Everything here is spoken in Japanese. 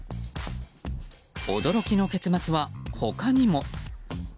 驚きの結末は、他にも。